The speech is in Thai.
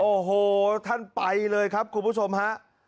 โอ้โหท่านไปเลยครับคุณผู้ชมฮะ